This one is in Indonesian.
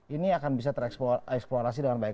ini akan bisa tereksplorasi dengan baik